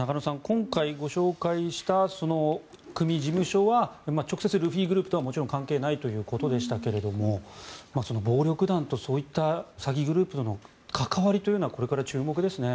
今回ご紹介した組事務所は直接、ルフィグループとはもちろん関係ないということでしたが暴力団とそういった詐欺グループとの関わりというのはこれから注目ですね。